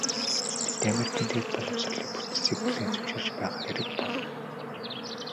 Тэд Америкийн дээд боловсролын бүтцийг хүлээн зөвшөөрч байгаа хэрэг болно.